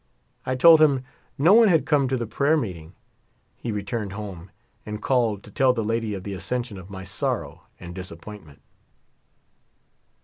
I told him no one had come to the prayer meeting. He returned home, and called to tell the lady of the Ascen sion of my sorrow and disappointment.